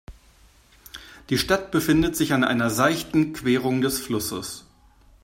Die Stadt befindet sich an einer seichten Querung des Flusses.